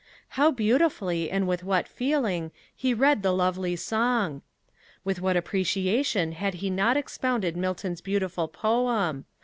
How beautifully, and with what feeling, he read the lovely song! With what appreciation had he not expounded Milton's beautiful poem!